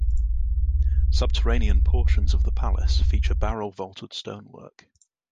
Subterranean portions of the palace feature barrel vaulted stonework.